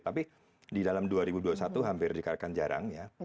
tapi di dalam dua ribu dua puluh satu hampir dikatakan jarang ya